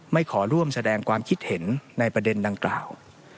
ขอร่วมแสดงความคิดเห็นในประเด็นดังกล่าว